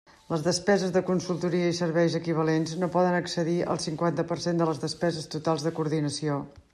Les despeses de consultoria i serveis equivalents no poden excedir el cinquanta per cent de les despeses totals de coordinació.